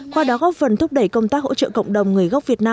qua đó góp phần thúc đẩy công tác hỗ trợ cộng đồng